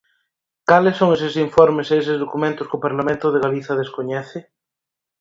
¿Cales son eses informes e eses documentos que o Parlamento de Galiza descoñece?